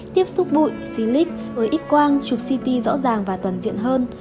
tiếp xúc bụi xí lít ới ít quang chụp ct rõ ràng và toàn diện hơn